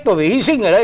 tôi phải hy sinh ở đây